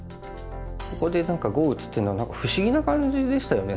ここで碁を打つっていうのは何か不思議な感じでしたよね